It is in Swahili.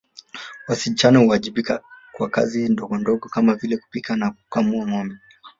Wasichana huwajibika kwa kazi ndogondogo kama vile kupika na kukamua ngombe